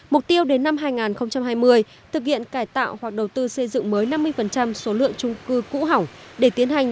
mục tiêu đến năm hai nghìn hai mươi thực hiện cải tạo hoặc đầu tư xây dựng mới năm mươi số lượng trung cư cũ hỏng để tiến hành